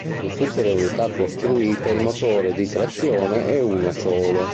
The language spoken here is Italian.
Su tutte le unità costruite il motore di trazione è uno solo.